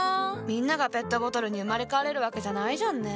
みんながペットボトルに生まれ変われるわけじゃないじゃんね。